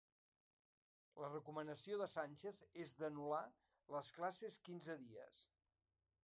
La recomanació de Sánchez és d'anul·lar les classes quinze dies